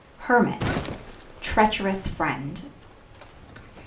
Hermit Treacherous friend.